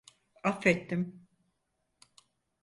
Affettim.